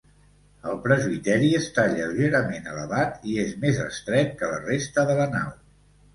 El presbiteri està lleugerament elevat i és més estret que la resta de la nau.